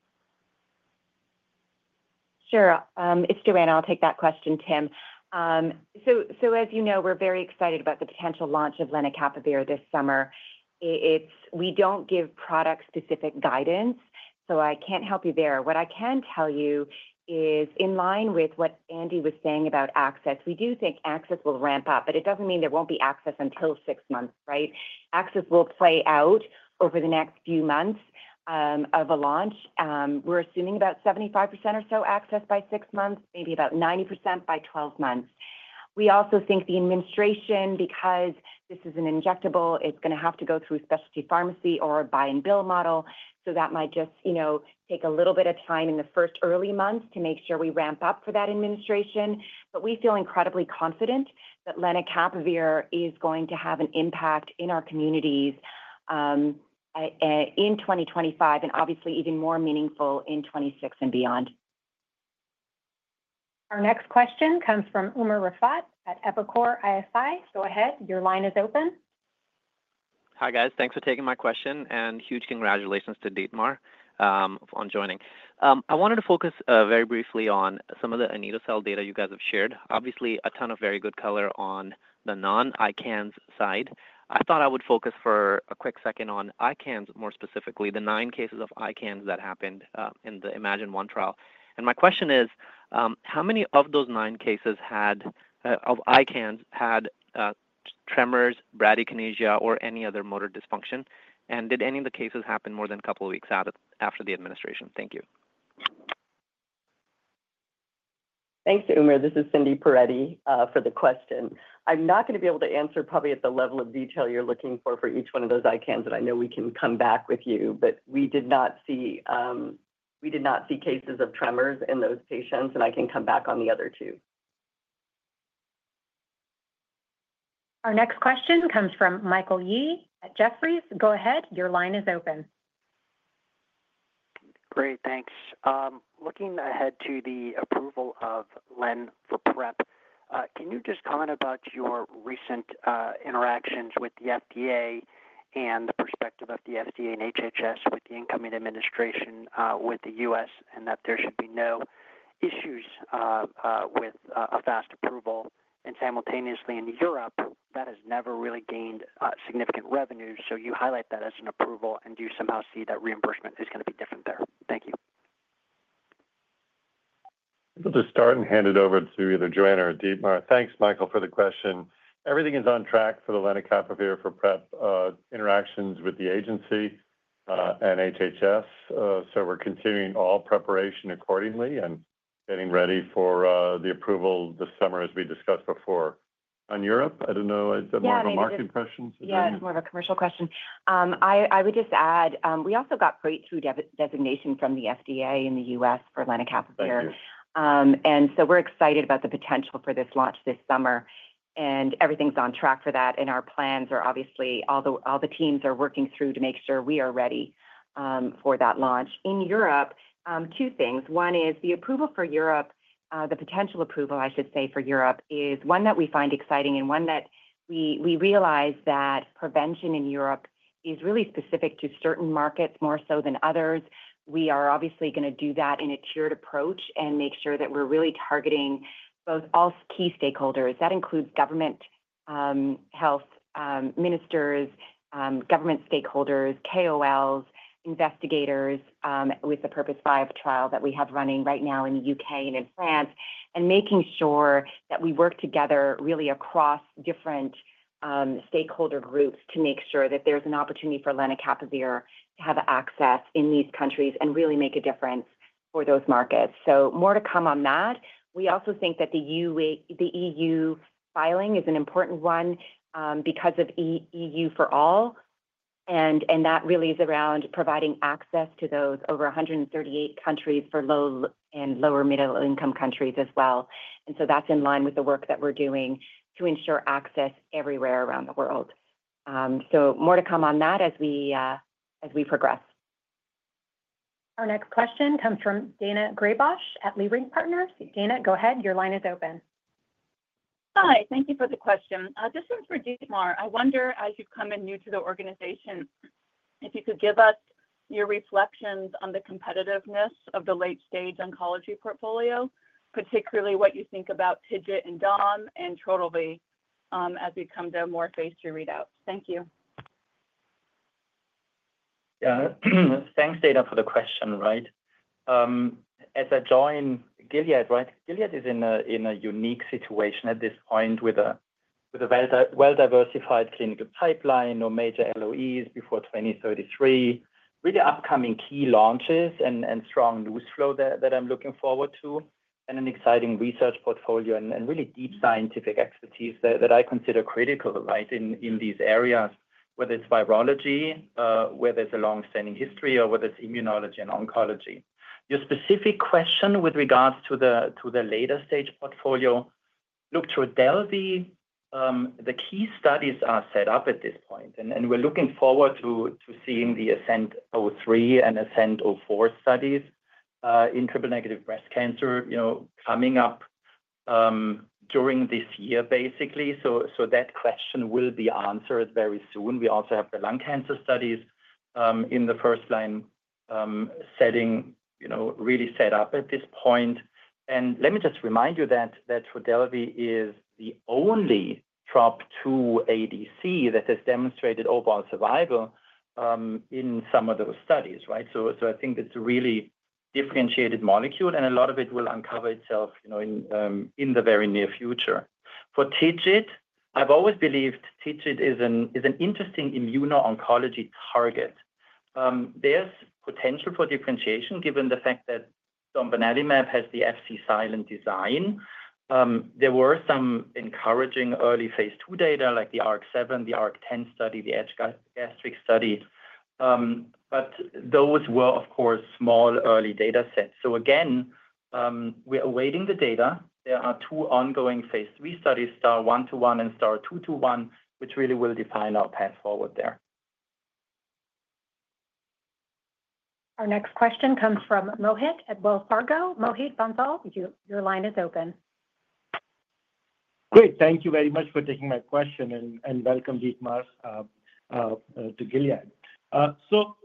Sure. It's Johanna. I'll take that question, Tim. So as you know, we're very excited about the potential launch of lenacapavir this summer. We don't give product-specific guidance, so I can't help you there. What I can tell you is in line with what Andy was saying about access, we do think access will ramp up, but it doesn't mean there won't be access until six months, right? Access will play out over the next few months of a launch. We're assuming about 75% or so access by six months, maybe about 90% by 12 months. We also think the administration, because this is an injectable, it's going to have to go through specialty pharmacy or a buy-and-build model. So that might just take a little bit of time in the first early months to make sure we ramp up for that administration. But we feel incredibly confident that Lenacapavir is going to have an impact in our communities in 2025 and obviously even more meaningful in 2026 and beyond. Our next question comes from Umer Raffat at Evercore ISI. Go ahead. Your line is open. Hi, guys. Thanks for taking my question, and huge congratulations to Dietmar on joining. I wanted to focus very briefly on some of the anito-cel data you guys have shared. Obviously, a ton of very good color on the non-ICANS side. I thought I would focus for a quick second on ICANS, more specifically, the nine cases of ICANS that happened in the iMMagine-1 trial. My question is, how many of those nine cases of ICANS had tremors, bradykinesia, or any other motor dysfunction? Did any of the cases happen more than a couple of weeks after the administration? Thank you. Thanks, Umer. This is Cindy Perettie for the question. I'm not going to be able to answer probably at the level of detail you're looking for for each one of those ICANS, and I know we can come back with you, but we did not see cases of tremors in those patients, and I can come back on the other two. Our next question comes from Michael Yee at Jefferies. Go ahead. Your line is open. Great. Thanks. Looking ahead to the approval of LEN for PrEP, can you just comment about your recent interactions with the FDA and the perspective of the FDA and HHS with the incoming administration with the U.S. and that there should be no issues with a fast approval? And simultaneously, in Europe, that has never really gained significant revenue. So you highlight that as an approval, and do you somehow see that reimbursement is going to be different there? Thank you. I'll just start and hand it over to either Johanna or Dietmar. Thanks, Michael, for the question. Everything is on track for the Lenacapavir for PrEP interactions with the agency and HHS. So we're continuing all preparation accordingly and getting ready for the approval this summer, as we discussed before. On Europe, I don't know. Is that more of a marketing question? Yeah, it's more of a commercial question. I would just add we also got breakthrough designation from the FDA in the U.S. for lenacapavir, and so we're excited about the potential for this launch this summer, and everything's on track for that, and our plans are obviously all the teams are working through to make sure we are ready for that launch. In Europe, two things. One is the approval for Europe, the potential approval, I should say, for Europe is one that we find exciting and one that we realize that prevention in Europe is really specific to certain markets more so than others. We are obviously going to do that in a tiered approach and make sure that we're really targeting both all key stakeholders. That includes government, health, ministers, government stakeholders, KOLs, investigators with the PURPOSE 5 trial that we have running right now in the U.K. and in France, and making sure that we work together really across different stakeholder groups to make sure that there's an opportunity for lenacapavir to have access in these countries and really make a difference for those markets. So more to come on that. We also think that the EU filing is an important one because of EU for All. And that really is around providing access to those over 138 countries for low and lower-middle-income countries as well. And so that's in line with the work that we're doing to ensure access everywhere around the world. So more to come on that as we progress. Our next question comes from Daina Graybosch at Leerink Partners. Daina, go ahead. Your line is open. Hi. Thank you for the question. This one's for Dietmar. I wonder, as you've come in new to the organization, if you could give us your reflections on the competitiveness of the late-stage oncology portfolio, particularly what you think about TIGIT and domvanalimab and Trodelvy as we come to a more phased readout. Thank you. Yeah. Thanks, Daina, for the question, right? As I join Gilead, right? Gilead is in a unique situation at this point with a well-diversified clinical pipeline, no major LOEs before 2033, really upcoming key launches and strong news flow that I'm looking forward to, and an exciting research portfolio and really deep scientific expertise that I consider critical, right, in these areas, whether it's virology, whether it's a long-standing history, or whether it's immunology and oncology. Your specific question with regards to the later-stage portfolio, look, Trodelvy, the key studies are set up at this point, and we're looking forward to seeing the ASCENT-03 and ASCENT-04 studies in triple-negative breast cancer coming up during this year, basically. So that question will be answered very soon. We also have the lung cancer studies in the first-line setting really set up at this point. Let me just remind you that Trodelvy is the only TROP2 ADC that has demonstrated overall survival in some of those studies, right? So I think it's a really differentiated molecule, and a lot of it will uncover itself in the very near future. For TIGIT, I've always believed TIGIT is an interesting immuno-oncology target. There's potential for differentiation given the fact that domvanalimab has the Fc-silent design. There were some encouraging early phase II data like the ARC-7, the ARC-10 study, the gastric study, but those were, of course, small early data sets. So again, we're awaiting the data. There are two ongoing phase III studies, STAR-121 and STAR-221, which really will define our path forward there. Our next question comes from Mohit at Wells Fargo. Mohit Bansal, your line is open. Great. Thank you very much for taking my question and welcome, Dietmar, to Gilead. So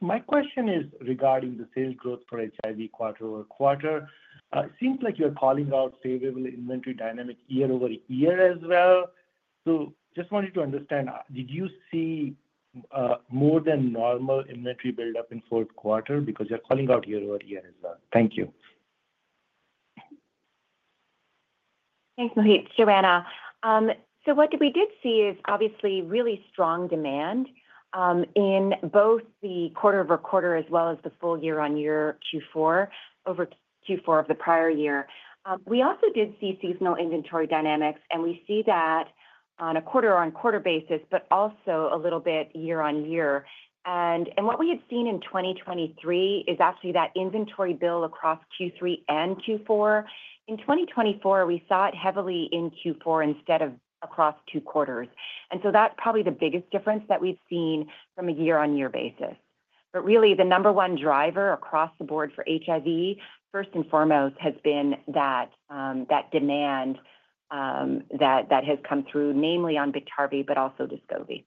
my question is regarding the sales growth for HIV quarter over quarter. It seems like you're calling out favorable inventory dynamic year-over-year as well. So just wanted to understand, did you see more than normal inventory buildup in fourth quarter? Because you're calling out year-over-year as well. Thank you. Thanks, Mohit. Johanna. So what we did see is obviously really strong demand in both the quarter over quarter as well as the full year-on-year Q4 over Q4 of the prior year. We also did see seasonal inventory dynamics, and we see that on a quarter-on-quarter basis, but also a little bit year-on-year. And what we had seen in 2023 is actually that inventory build across Q3 and Q4. In 2024, we saw it heavily in Q4 instead of across two quarters. And so that's probably the biggest difference that we've seen from a year-on-year basis. But really, the number one driver across the board for HIV, first and foremost, has been that demand that has come through, namely on Biktarvy, but also Descovy.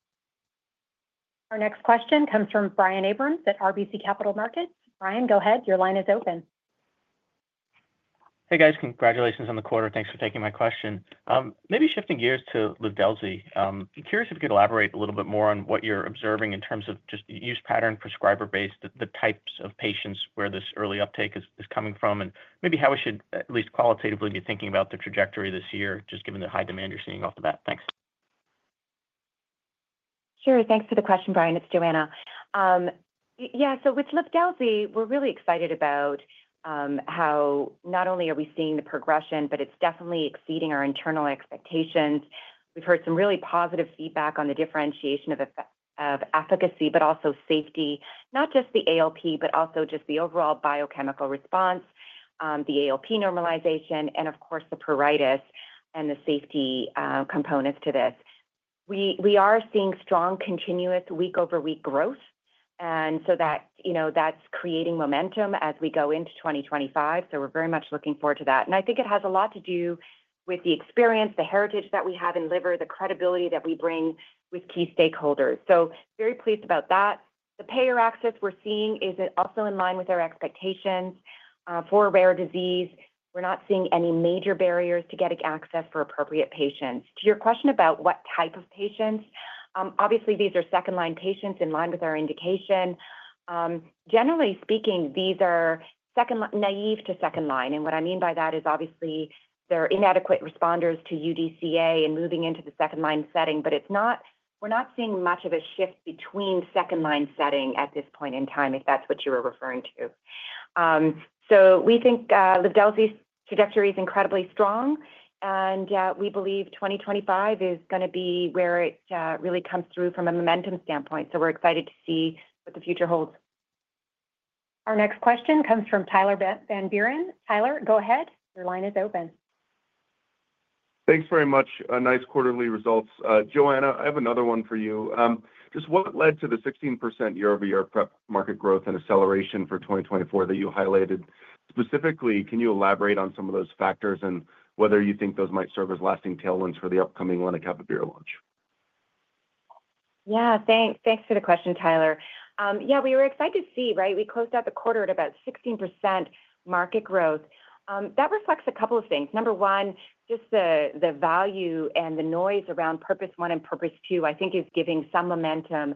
Our next question comes from Brian Abrahams at RBC Capital Markets. Brian, go ahead. Your line is open. Hey, guys. Congratulations on the quarter. Thanks for taking my question. Maybe shifting gears to Livdelzi. Curious if you could elaborate a little bit more on what you're observing in terms of just use pattern, prescriber-based, the types of patients where this early uptake is coming from, and maybe how we should at least qualitatively be thinking about the trajectory this year, just given the high demand you're seeing off the bat. Thanks. Sure. Thanks for the question, Brian. It's Johanna. Yeah. So with Livdelzi, we're really excited about how not only are we seeing the progression, but it's definitely exceeding our internal expectations. We've heard some really positive feedback on the differentiation of efficacy, but also safety, not just the ALP, but also just the overall biochemical response, the ALP normalization, and of course, the pruritus and the safety components to this. We are seeing strong continuous week-over-week growth. And so that's creating momentum as we go into 2025. So we're very much looking forward to that. And I think it has a lot to do with the experience, the heritage that we have in liver, the credibility that we bring with key stakeholders. So very pleased about that. The payer access we're seeing is also in line with our expectations for rare disease. We're not seeing any major barriers to getting access for appropriate patients. To your question about what type of patients, obviously, these are second-line patients in line with our indication. Generally speaking, these are naive to second-line. And what I mean by that is obviously they're inadequate responders to UDCA and moving into the second-line setting, but we're not seeing much of a shift between second-line setting at this point in time, if that's what you were referring to. We think Livdelzi's trajectory is incredibly strong, and we believe 2025 is going to be where it really comes through from a momentum standpoint. We're excited to see what the future holds. Our next question comes from Tyler Van Buren. Tyler, go ahead. Your line is open. Thanks very much. Nice quarterly results. Johanna, I have another one for you. Just what led to the 16% year-over-year prep market growth and acceleration for 2024 that you highlighted? Specifically, can you elaborate on some of those factors and whether you think those might serve as lasting tailwinds for the upcoming lenacapavir launch? Yeah. Thanks for the question, Tyler. Yeah, we were excited to see, right? We closed out the quarter at about 16% market growth. That reflects a couple of things. Number one, just the value and the noise around PURPOSE 1 and PURPOSE 2, I think, is giving some momentum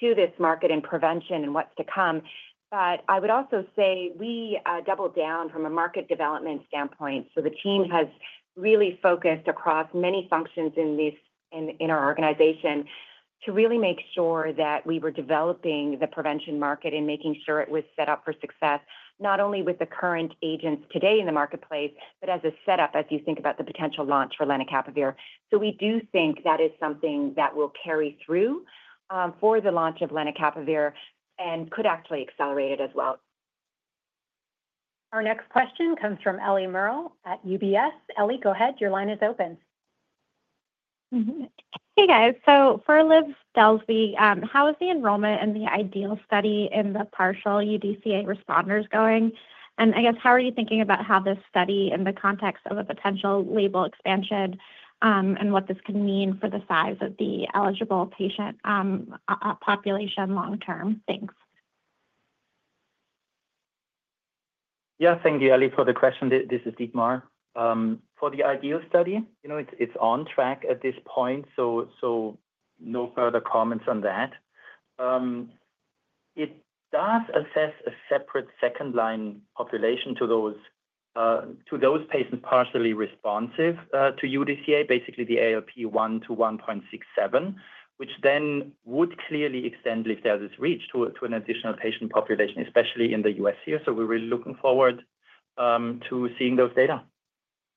to this market and prevention and what's to come. But I would also say we doubled down from a market development standpoint. So the team has really focused across many functions in our organization to really make sure that we were developing the prevention market and making sure it was set up for success, not only with the current agents today in the marketplace, but as a setup as you think about the potential launch for lenacapavir. So we do think that is something that will carry through for the launch of lenacapavir and could actually accelerate it as well. Our next question comes from Ellie Merle at UBS. Eliana, go ahead. Your line is open. Hey, guys. So for Livdelzi, how is the enrollment and the IDEAL study in the partial UDCA responders going? And I guess, how are you thinking about how this study in the context of a potential label expansion and what this can mean for the size of the eligible patient population long-term? Thanks. Yeah. Thank you, Ellie, for the question. This is Dietmar. For the IDEAL study, it's on track at this point. So no further comments on that. It does assess a separate second-line population to those patients partially responsive to UDCA, basically the ALP 1 to 1.67, which then would clearly extend if there is reach to an additional patient population, especially in the U.S. here. So we're really looking forward to seeing those data.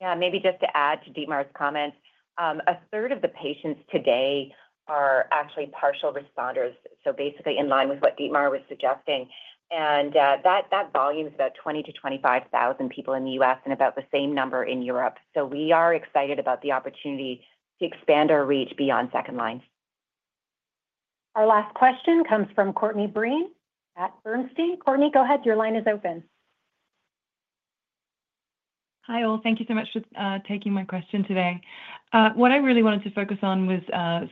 Yeah. Maybe just to add to Dietmar's comments, a third of the patients today are actually partial responders. So basically in line with what Dietmar was suggesting. And that volume is about 20,000-25,000 people in the U.S. and about the same number in Europe. So we are excited about the opportunity to expand our reach beyond second-line. Our last question comes from Courtney Breen at Bernstein. Courtney, go ahead. Your line is open. Hi, all. Thank you so much for taking my question today. What I really wanted to focus on was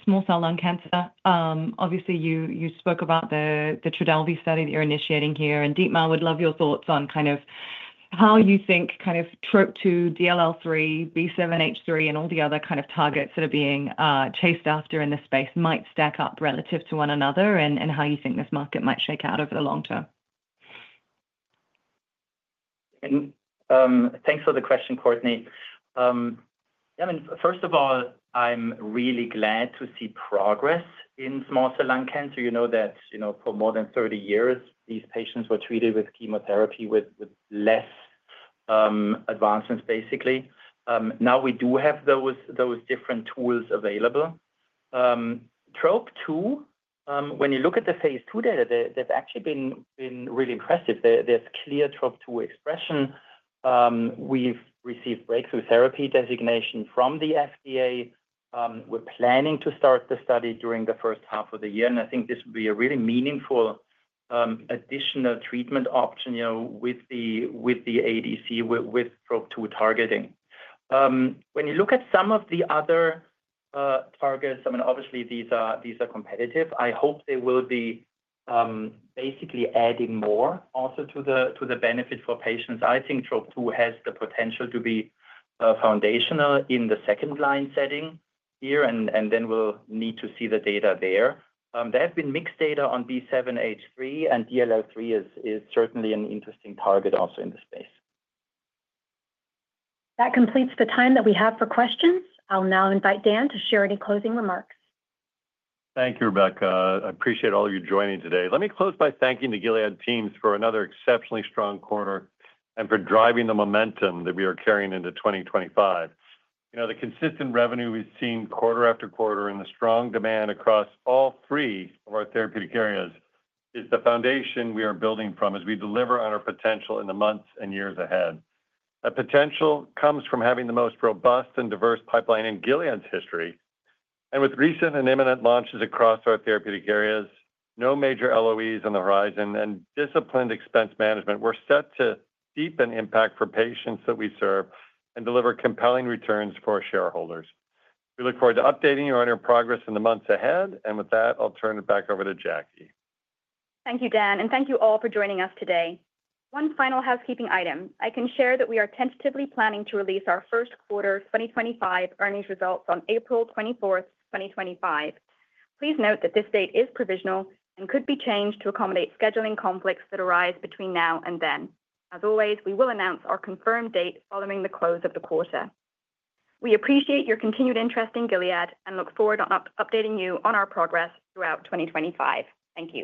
small cell lung cancer. Obviously, you spoke about the Trodelvy study that you're initiating here. And Dietmar, I would love your thoughts on kind of how you think kind of TROP2, DLL3, B7-H3, and all the other kind of targets that are being chased after in this space might stack up relative to one another and how you think this market might shake out over the long term. Thanks for the question, Courtney. Yeah. I mean, first of all, I'm really glad to see progress in small cell lung cancer. You know that for more than 30 years, these patients were treated with chemotherapy with less advancements, basically. Now we do have those different tools available. TROP2, when you look at the phase two data, they've actually been really impressive. There's clear TROP2 expression. We've received breakthrough therapy designation from the FDA. We're planning to start the study during the first half of the year, and I think this would be a really meaningful additional treatment option with the ADC with TROP2 targeting. When you look at some of the other targets, I mean, obviously, these are competitive. I hope they will be basically adding more also to the benefit for patients. I think TROP2 has the potential to be foundational in the second-line setting here, and then we'll need to see the data there. There have been mixed data on B7-H3, and DLL3 is certainly an interesting target also in this space. That completes the time that we have for questions. I'll now invite Dan to share any closing remarks. Thank you, Rebecca. I appreciate all of you joining today. Let me close by thanking the Gilead teams for another exceptionally strong quarter and for driving the momentum that we are carrying into 2025. The consistent revenue we've seen quarter after quarter and the strong demand across all three of our therapeutic areas is the foundation we are building from as we deliver on our potential in the months and years ahead. That potential comes from having the most robust and diverse pipeline in Gilead's history. With recent and imminent launches across our therapeutic areas, no major LOEs on the horizon, and disciplined expense management, we're set to deepen impact for patients that we serve and deliver compelling returns for our shareholders. We look forward to updating you on your progress in the months ahead. With that, I'll turn it back over to Jacquie. Thank you, Dan. And thank you all for joining us today. One final housekeeping item. I can share that we are tentatively planning to release our first quarter 2025 earnings results on April 24, 2025. Please note that this date is provisional and could be changed to accommodate scheduling conflicts that arise between now and then. As always, we will announce our confirmed date following the close of the quarter. We appreciate your continued interest in Gilead and look forward to updating you on our progress throughout 2025. Thank you.